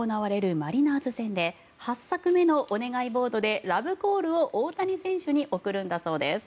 マリナーズ戦で８作目のお願いボードでラブコールを大谷選手に送るんだそうです。